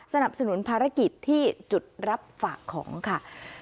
สนับสนุนภารกิจที่จุดรับฝากของค่ะ